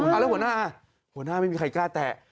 แล้วหัวหน้าหัวหน้าไม่มีใครกล้าแตะ